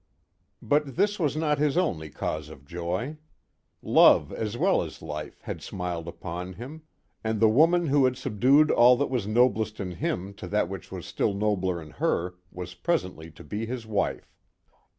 But this was not his only cause of joy. Love, as well as life, had smiled upon him, and the woman who had subdued all that was noblest in him to that which was still nobler in her, was presently to be his wife.